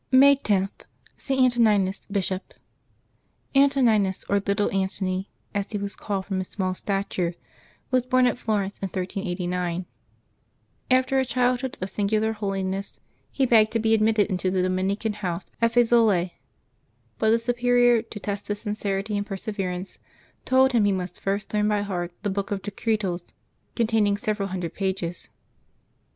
May 10.— ST. ANTONINUS, Bishop. HNTONiNUS, or Little Antony, as he was called from his small stature, was born at Florence in 1389. After a childhood of singular holiness, he begged to be admitted into the Dominican house at Fiesole; but the Superior, to test his sincerity and perseverance, told him he must first learn by heart the book of the Decretals, containing several hundred pages.